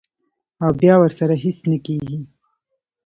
او بیا ورسره هېڅ نۀ کيږي -